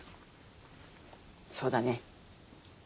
そうだね。